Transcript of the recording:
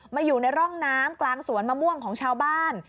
อยู่ในร่องน้ำกลางสวนมะม่วงของชาวบ้าน